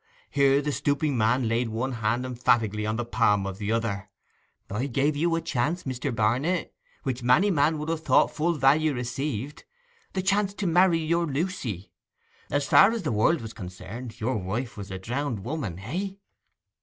Here the stooping man laid one hand emphatically on the palm of the other. 'I gave you a chance, Mr. George Barnet, which many men would have thought full value received—the chance to marry your Lucy. As far as the world was concerned, your wife was a drowned woman, hey?